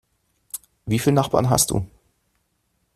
Wie viele Nachbarn hast du?